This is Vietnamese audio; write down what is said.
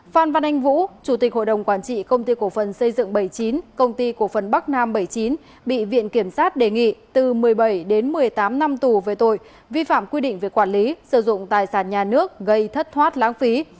phan văn anh vũ chủ tịch hội đồng quản trị công ty cổ phần xây dựng bảy mươi chín công ty cổ phần bắc nam bảy mươi chín bị viện kiểm sát đề nghị từ một mươi bảy đến một mươi tám năm tù về tội vi phạm quy định về quản lý sử dụng tài sản nhà nước gây thất thoát lãng phí